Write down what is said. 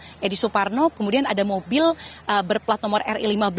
ini ada sekjian pan edi suparno kemudian ada mobil berplat nomor ri lima belas